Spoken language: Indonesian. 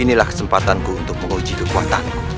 inilah kesempatanku untuk menguji kekuatanku